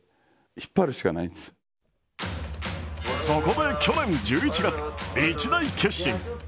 そこで去年１１月、一大決心。